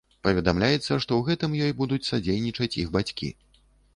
Паведамляецца, што ў гэтым ёй будуць садзейнічаць іх бацькі.